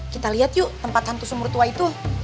kita lihat yuk tempat hantu sumur tua itu